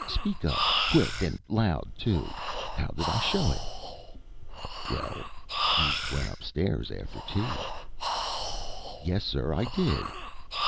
Speak up quick, and loud too. How did I show it?" "Well, you went up stairs after tea." "Yes, sir, I did."